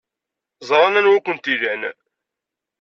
Ẓran anwa ay kent-ilan.